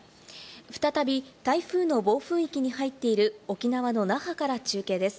再び台風の暴風域に入っている沖縄の那覇から中継です。